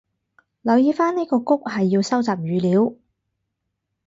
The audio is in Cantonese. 留意返呢個谷係要收集語料